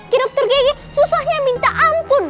ke dokter gigi susahnya minta ampun